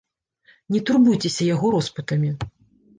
Не турбуйцеся яго роспытамі.